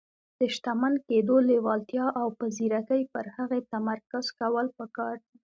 د شتمن کېدو لېوالتیا او په ځيرکۍ پر هغې تمرکز کول پکار دي.